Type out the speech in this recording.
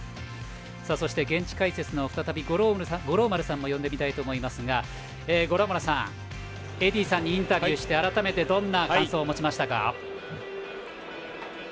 そして、現地解説の再び、五郎丸さんも呼んでみたいと思いますが五郎丸さん、エディーさんにインタビューして改めて、どんな感想を持ちましたか。